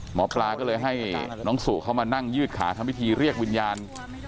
หมอปลาก็เลยให้น้องสู่เขามานั่งยืดขาทำพิธีเรียกวิญญาณ